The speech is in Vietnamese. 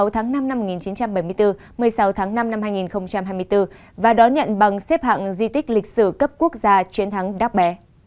một mươi tháng năm năm một nghìn chín trăm bảy mươi bốn một mươi sáu tháng năm năm hai nghìn hai mươi bốn và đón nhận bằng xếp hạng di tích lịch sử cấp quốc gia chiến thắng đắt bé